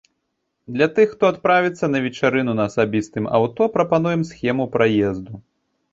Для тых, хто адправіцца на вечарыну на асабістым аўто, прапануем схему праезду.